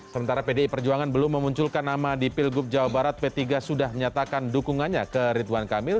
sementara pdi perjuangan belum memunculkan nama di pilgub jawa barat p tiga sudah menyatakan dukungannya ke ridwan kamil